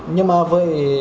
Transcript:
nhưng mà với